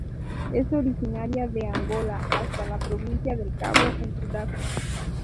Es originaria de Angola hasta la Provincia del Cabo en Sudáfrica.